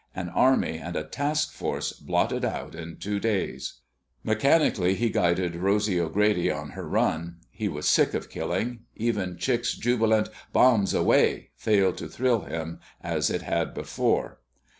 An army and a task force blotted out in two days! Mechanically he guided Rosy O'Grady on her run. He was sick of killing. Even Chick's jubilant, "Bombs away!" failed to thrill him as it had before.